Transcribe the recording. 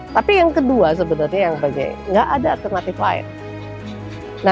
tapi yang kedua sebenarnya tidak ada alternatif lain